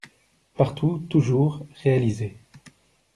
Partout, toujours, réaliser